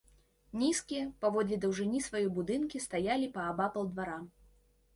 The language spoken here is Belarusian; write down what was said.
Нізкія, паводле даўжыні сваёй, будынкі стаялі паабапал двара.